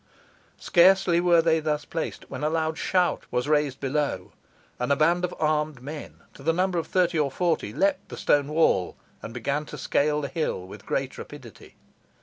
Scarcely were they thus placed, when a loud shout was raised below, and a band of armed men, to the number of thirty or forty, leapt the stone wall, and began to scale the hill with great rapidity.